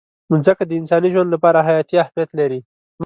مځکه د انساني ژوند لپاره حیاتي اهمیت لري.